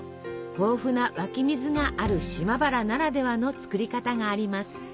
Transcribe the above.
豊富な湧き水がある島原ならではの作り方があります。